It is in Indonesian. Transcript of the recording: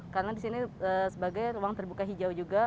karena di sini sebagai ruang terbuka hijau juga